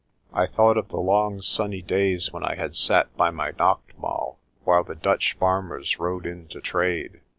I thought of the long sunny days when I had sat by my nacht maal while the Dutch farmers rode in to trade.